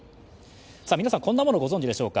皆さんこんなものご存じですか？